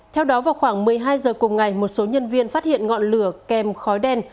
theo đó vào khoảng một mươi hai giờ cùng ngày một số nhân viên phát hiện ngọn lửa kèm khói đen